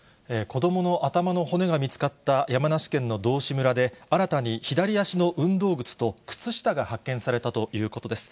子どもの頭の骨が見つかった山梨県の道志村で、新たに左足の運動靴と靴下が発見されたということです。